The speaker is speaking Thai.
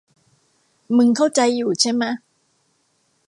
มึงเข้าใจอยู่ใช่มะ